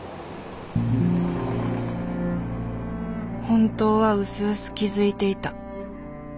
本当はうすうす気付いていた。